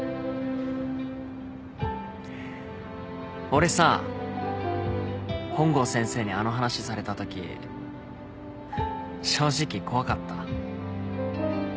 俺さ本郷先生にあの話されたとき正直怖かった。